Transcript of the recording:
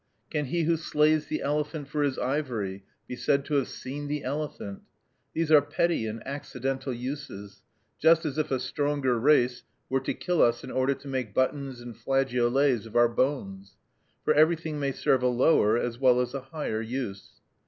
Can he who slays the elephant for his ivory be said to have "seen the elephant"? These are petty and accidental uses; just as if a stronger race were to kill us in order to make buttons and flageolets of our bones; for everything may serve a lower as well as a higher use.